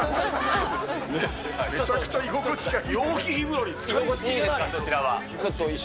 めちゃくちゃ居心地がいい。